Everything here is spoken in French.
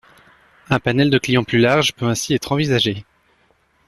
Un panel de clients plus large peut ainsi être envisagé.